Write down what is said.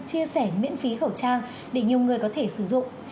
chia sẻ miễn phí khẩu trang để nhiều người có thể sử dụng